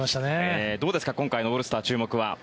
どうですか、今回のオールスター注目は。